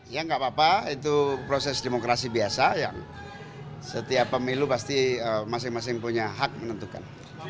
ya nggak apa apa itu proses demokrasi biasa yang setiap pemilu pasti masing masing punya hak menentukan